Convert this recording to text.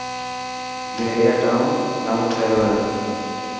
بهريا ٽائون نئون ٺهيو هي.